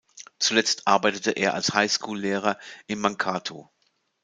Zuletzt arbeitete er als Highschool-Lehrer in Mankato.